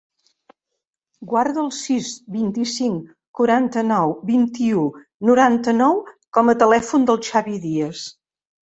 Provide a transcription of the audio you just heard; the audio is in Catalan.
Guarda el sis, vint-i-cinc, quaranta-nou, vint-i-u, noranta-nou com a telèfon del Xavi Dias.